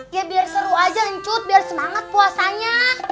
ya biar seru aja lencut biar semangat puasanya